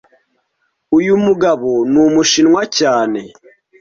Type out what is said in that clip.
Uyu mugabo numushinwa cyane